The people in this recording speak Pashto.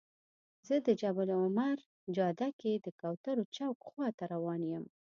زه د جبل العمر جاده کې د کوترو چوک خواته روان یم.